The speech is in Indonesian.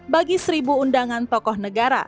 bagi seribu undangan tokoh negara